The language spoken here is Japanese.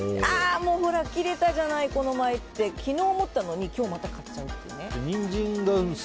ほら切れたじゃない、この前って昨日思ったのに今日、また買っちゃうという。